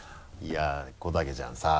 小竹ちゃんさ